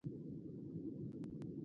وروستۍ خبرې شاه حسين وکړې.